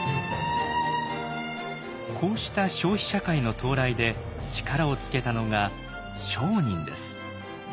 こうした消費社会の到来で力をつけたのが商人です。